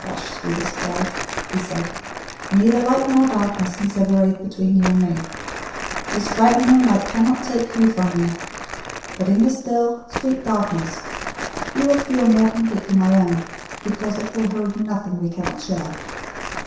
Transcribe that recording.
"Hush, sweetest wife," he said. "Neither light nor darkness can separate between you and me: This quiet moonlight cannot take you from me; but in the still, sweet darkness you will feel more completely my own, because it will hold nothing we cannot share.